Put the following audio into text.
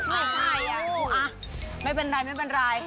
ไม่ใช่ไม่เป็นไรไม่เป็นไร